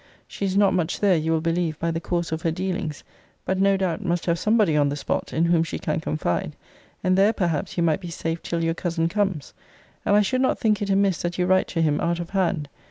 She is not much there, you will believe, by the course of her dealings, but, no doubt, must have somebody on the spot, in whom she can confide: and there, perhaps, you might be safe till your cousin comes. And I should not think it amiss that you write to him out of hand.